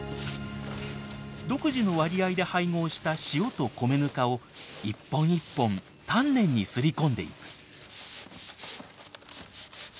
独自の割合で配合した塩と米ぬかを一本一本丹念にすり込んでいく。